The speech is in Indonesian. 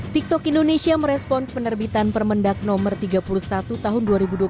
tiktok indonesia merespons penerbitan permendag no tiga puluh satu tahun dua ribu dua puluh satu